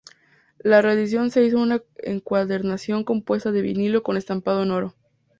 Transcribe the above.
La reedición se hizo con una encuadernación compuesta de vinilo con estampado en oro.